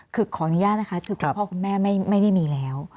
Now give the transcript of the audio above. คือขออนุญาตนะคะคือคุณพ่อคุณแม่ไม่ได้มีแล้ว